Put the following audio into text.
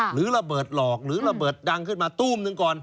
หรือระเบิดหลอกหรือระเบิดดังขึ้นมาตู้มหนึ่งก่อน